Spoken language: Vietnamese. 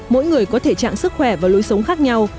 mỗi người có thể trạng sức khỏe và lối sống khác nhau